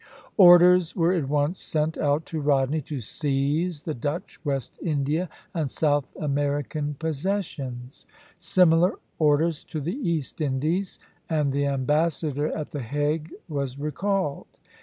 Orders were at once sent out to Rodney to seize the Dutch West India and South American possessions; similar orders to the East Indies; and the ambassador at the Hague was recalled.